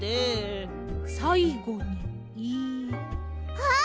あっ！